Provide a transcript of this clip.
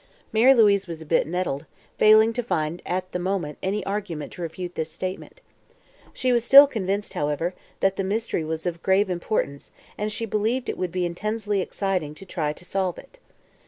Mary Louise was a bit nettled, failing to find at the moment any argument to refute this statement. She was still convinced, however, that the mystery was of grave importance and she believed it would be intensely exciting to try to solve it.